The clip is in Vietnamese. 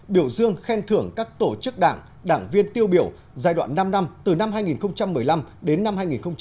biểu dương khen thưởng các tổ chức đảng đảng viên tiêu biểu giai đoạn năm năm từ năm hai nghìn một mươi năm đến năm hai nghìn hai mươi